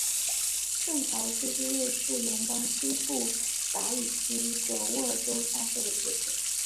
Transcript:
圣乔治是瑞士联邦西部法语区的沃州下设的一个镇。